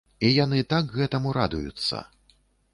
І яны так гэтаму радуюцца!